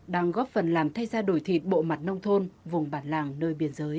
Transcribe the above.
đang góp phần làm thay ra đổi thịt bộ mặt nông thôn vùng bản làng nơi biên giới